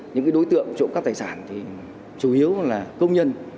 những đối tượng trộm cắp tài sản thì chủ yếu là công nhân